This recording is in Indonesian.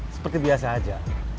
seperti biasa aja